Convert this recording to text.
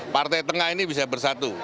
partai tengah ini bisa bersatu